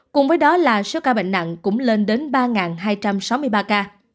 cùng với đó là số ca bệnh nặng cũng lên đến ba hai trăm sáu mươi ba ca